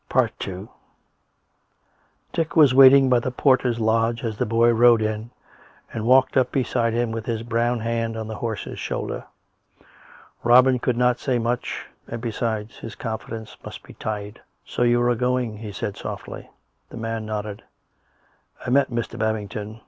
II Dick was waiting by the porter's lodge as the boy rode in, and walked up beside him with his brown hand on the horse's shoulder. Robin could not say much, and, besides, his confidence must be tied. " So you are going," he said softly. The man nodded. " I met Mr. Babington.